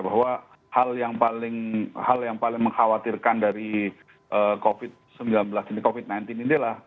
bahwa hal yang paling mengkhawatirkan dari covid sembilan belas ini adalah